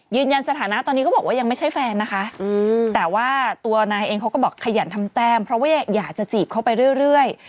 สถานะตอนนี้เขาบอกว่ายังไม่ใช่แฟนนะคะแต่ว่าตัวนายเองเขาก็บอกขยันทำแต้มเพราะว่าอยากจะจีบเขาไปเรื่อย